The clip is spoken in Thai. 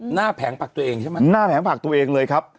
แผงผักตัวเองใช่ไหมหน้าแผงผักตัวเองเลยครับ